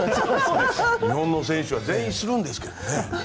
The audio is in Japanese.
日本の選手は全員するんですけどね。